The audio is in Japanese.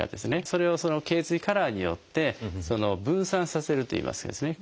それをその頚椎カラーによって分散させるといいますかですね